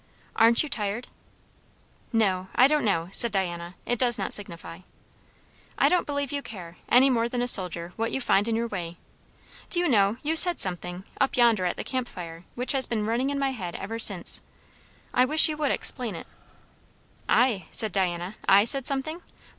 "Aren't you tired?" "No I don't know," said Diana. "It does not signify." "I don't believe you care, any more than a soldier, what you find in your way. Do you know, you said something, up yonder at the camp fire, which has been running in my head ever since? I wish you would explain it." "I?" said Diana. "I said something?